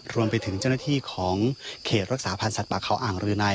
รวมไปถึงเจ้าหน้าที่ของเขตรักษาพันธ์สัตว์เขาอ่างรืนัย